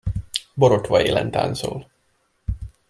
Borotvaélen táncol.